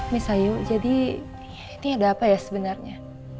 miss ayu jadi ini ada apa ya sebenarnya